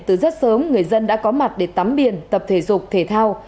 từ rất sớm người dân đã có mặt để tắm biển tập thể dục thể thao